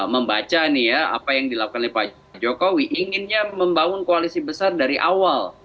membaca nih ya apa yang dilakukan oleh pak jokowi inginnya membangun koalisi besar dari awal